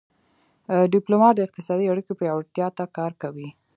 ډيپلومات د اقتصادي اړیکو پیاوړتیا ته کار کوي.